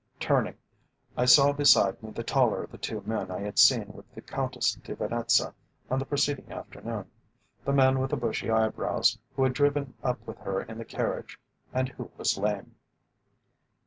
Turning, I saw beside me the taller of the two men I had seen with the Countess de Venetza on the preceding afternoon the man with the bushy eyebrows who had driven up with her in the carriage, and who was lame.